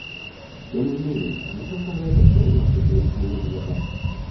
Тем не менее они составляют основу нашей коллективной безопасности.